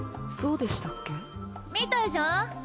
そうでしたっけ？みたいじゃん。